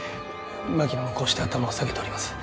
槙野もこうして頭を下げております。